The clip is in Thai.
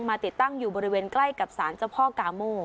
ติดตั้งอยู่บริเวณใกล้กับสารเจ้าพ่อกาโม่